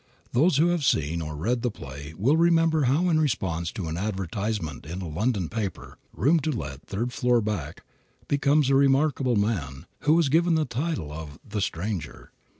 Those who have seen or read the play will remember how in response to an advertisement in a London paper, "Room to let, Third floor back," comes a remarkable man, who is given the title of "The Stranger."